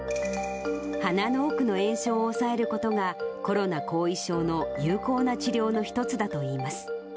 鼻の奥の炎症を抑えることが、コロナ後遺症の有効な治療の一つだといいます。